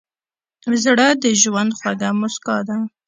زړه د ژوند خوږه موسکا ده.